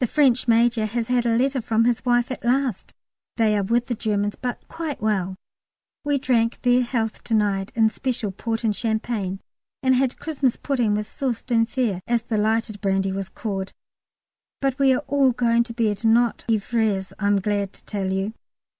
The French Major has had a letter from his wife at last, they are with the Germans, but quite well. We drank their health to night in special port and champagne! and had Christmas pudding with sauce d'Enfer, as the lighted brandy was called! But we are all going to bed, not ivrés I'm glad to tell you.